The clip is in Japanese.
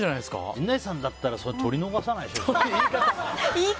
陣内さんだったら取り逃さないでしょ。